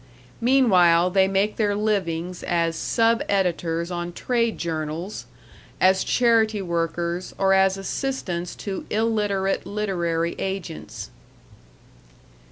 Meanwhile they make their livings as sub editors on trade journals, as charity workers, or as assistants to illiterate literary agents.